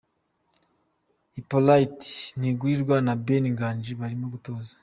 Hypolite Ntigurirwa na Beni Nganji barimo gutoza.